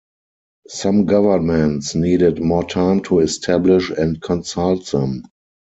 Some governments needed more time to establish and consult them.